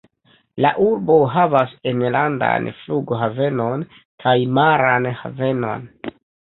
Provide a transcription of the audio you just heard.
La urbo havas enlandan flughavenon kaj maran havenon.